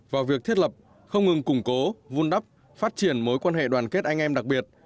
vào việc thiết lập không ngừng củng cố vun đắp phát triển mối quan hệ đoàn kết anh em đặc biệt